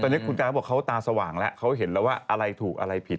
ตอนนี้คุณการบอกเขาตาสว่างแล้วเขาเห็นแล้วว่าอะไรถูกอะไรผิด